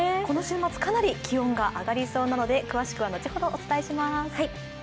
この週末、かなり気温が上がりそうなので詳しくは後ほどお伝えします。